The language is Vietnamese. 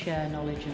đây là lựa chọn